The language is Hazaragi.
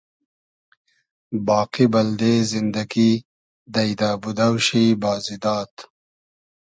باقی بئلدې زیندئگی دݷدۂ بودۆ شی بازی داد